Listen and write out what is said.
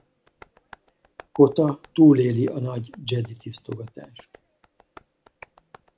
Kota túléli a nagy jedi tisztogatást.